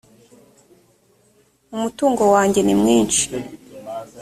umutungo wanjye nimwinshi